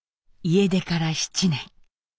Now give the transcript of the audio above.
家出から７年。